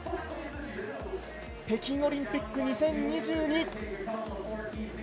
北京オリンピック２０２２。